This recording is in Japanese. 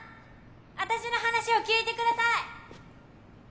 わたしの話を聞いてください！